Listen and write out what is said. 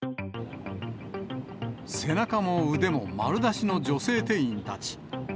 背中も腕も丸出しの女性店員たち。